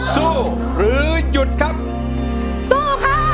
สู้หรือหยุดครับสู้ค่ะ